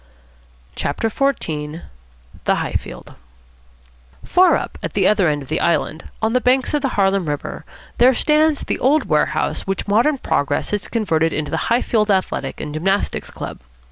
CHAPTER XIV THE HIGHFIELD Far up at the other end of the island, on the banks of the Harlem River, there stands the old warehouse which modern progress has converted into the Highfield Athletic and Gymnastic Club.